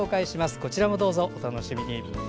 こちらもどうぞ、お楽しみに。